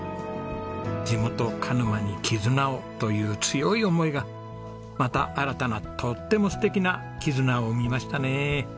「地元鹿沼に絆を」という強い思いがまた新たなとっても素敵な絆を生みましたね。